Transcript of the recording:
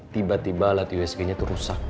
tiba tiba alat di esg nya itu rusak